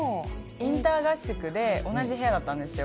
インター合宿で同じ部屋だったんですよ。